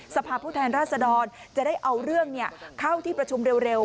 สภาพผู้แทนราชดรจะได้เอาเรื่องเข้าที่ประชุมเร็ว